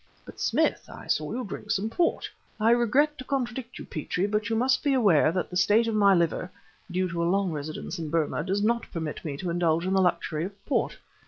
"But, Smith, I saw you drink some port." "I regret to contradict you, Petrie, but you must be aware that the state of my liver due to a long residence in Burma does not permit me to indulge in the luxury of port.